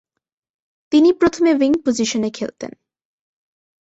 তিনি প্রথমে উইং পজিশনে খেলতেন।